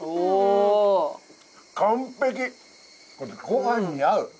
ご飯に合う！